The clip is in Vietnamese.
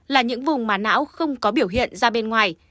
là những vùng mà não không có biểu hiện ra bên ngoài